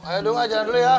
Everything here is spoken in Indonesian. ayo dong aja dulu ya